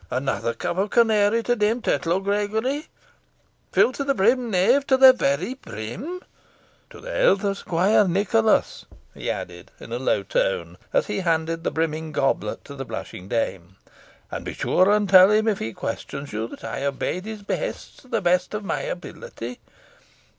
Another cup of canary to Dame Tetlow, Gregory. Fill to the brim, knave to the very brim. To the health of Squire Nicholas," he added in a low tone, as he handed the brimming goblet to the blushing dame; "and be sure and tell him, if he questions you, that I obeyed his behests to the best of my ability.